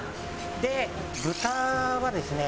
で豚はですね